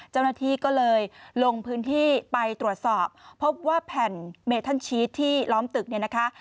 เจ้าหน้าที่ก็เลยลงพื้นที่ไปตรวจสอบพบว่าแผ่นเมทันชีสที่ล้อมตึกเนี่ยนะคะ